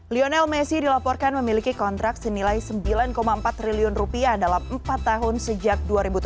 lionel messi dilaporkan memiliki kontrak senilai sembilan empat triliun rupiah dalam empat tahun sejak dua ribu tujuh belas